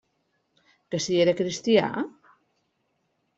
Que si era cristià?